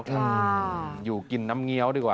อยู่กินน้ำเงี้ยวดีกว่า